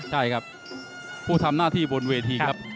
ใช่ครับผู้ทำหน้าที่บนเวทีครับ